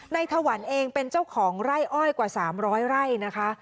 ถวันเองเป็นเจ้าของไร่อ้อยกว่า๓๐๐ไร่นะคะ